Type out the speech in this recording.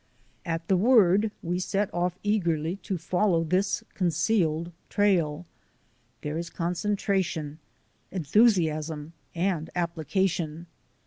At the word we set off eagerly to follow this concealed trail. There is concentration, en thusiasm, and application.